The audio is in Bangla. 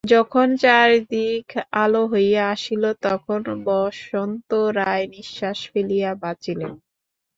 যখন চারিদিক আলো হইয়া আসিল তখন বসন্ত রায় নিশ্বাস ফেলিয়া বাঁচিলেন।